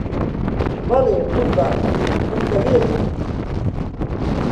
بەڵێ قوربان من لەوێ بووم!